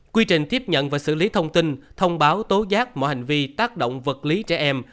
quy trình tiếp nhận và xử lý thông tin thông báo tố giác mọi hành vi tác động vật lý trẻ em